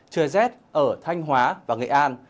trời rét ở thanh hóa và nghệ an